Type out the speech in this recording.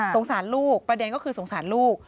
สารลูกประเด็นก็คือสงสารลูก